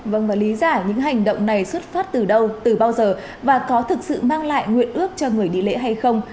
vâng và lý giải những hành động này xuất phát từ đâu từ bao giờ và có thực sự mang lại nguyện ước cho người đi lễ hay không